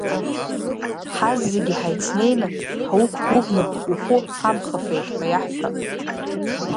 Ҳазегьы ҳаицнеины, ҳуқәгәӷны ухәы ҳамхафеит ҳәа иаҳҳәап.